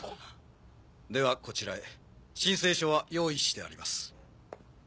ではこちらへ申請書は用意してあります。